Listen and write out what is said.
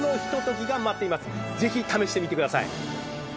ぜひ試してみてください。